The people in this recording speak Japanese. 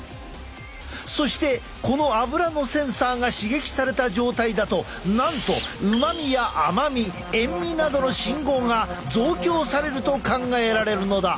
そしてこのアブラのセンサーが刺激された状態だとなんと旨味や甘み塩味などの信号が増強されると考えられるのだ。